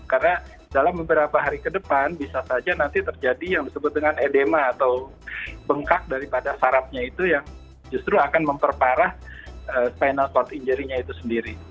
karena dalam beberapa hari ke depan bisa saja nanti terjadi yang disebut dengan edema atau bengkak daripada sarapnya itu yang justru akan memperparah spinal cord injury nya itu sendiri